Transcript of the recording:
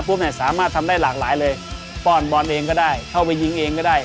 เนี่ยสามารถทำได้หลากหลายเลยป้อนบอลเองก็ได้เข้าไปยิงเองก็ได้